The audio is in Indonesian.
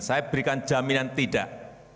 saya berikan jaminan tidak